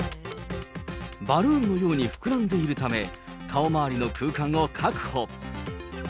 バルーンのように膨らんでいるため、顔回りの空間を確保。